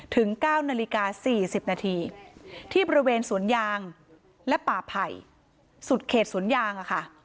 ถึง๙นาฬิกา๔๐นาทีที่บริเวณสวนยางและป่าไผ่สุดเขตสวนยางอะค่ะ